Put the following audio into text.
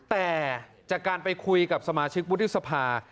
แต่จากการไปคุยกับสมาชิกวุฒิสภา